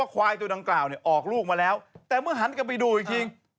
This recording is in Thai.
ควายตัวดังกล่าวเนี่ยออกลูกมาแล้วแต่เมื่อหันกลับไปดูอีกที